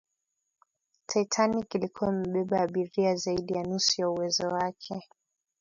titanic ilikuwa imebeba abiria zaidi ya nusu ya uwezo wake